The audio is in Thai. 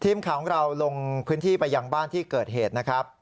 ทีมข่าวของเราลงพื้นที่ไปยังบ้านที่เกิดเหตุนะครับ